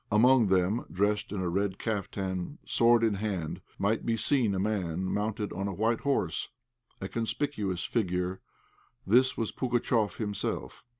Amongst them, dressed in a red caftan, sword in hand, might be seen a man mounted on a white horse, a conspicuous figure. This was Pugatchéf himself.